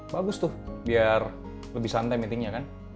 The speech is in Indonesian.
bagus tuh biar lebih santai meetingnya kan